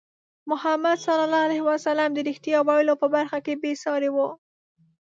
محمد صلى الله عليه وسلم د رښتیا ویلو په برخه کې بې ساری وو.